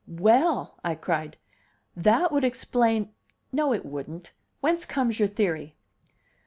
"Well!" I cried, "that would explain no, it wouldn't. Whence comes your theory?"